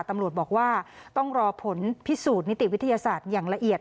ตำรวจบอกว่าต้องรอผลพิสูจน์นิติวิทยาศาสตร์อย่างละเอียด